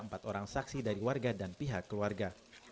empat orang saksi dari warga dan pihak keluarga